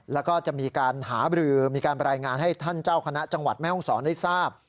แล้วก็จะมีการหาบรือมีการรายงานให้ท่านเจ้าคณะจังหวัดแม่ห้องศรได้ทราบ